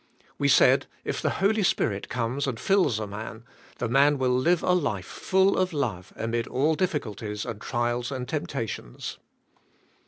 We said if the Holy Spirit comes and fills a man, the man will live a life full of love amid all difficulties and trials and temptations.